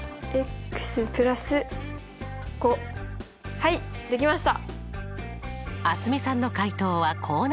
よくできました。